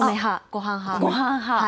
ごはん派。